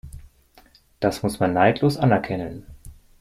Das muss man neidlos anerkennen.